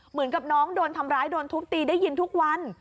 เหมือนกับน้องโดนทำร้ายโดนทุบตีได้ยินทุกวัน